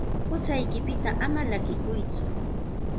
Huchaykipita ama llakikuytsu.